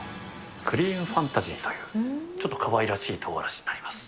クリーム・ファンタジーという、ちょっとかわいらしいとうがらしになります。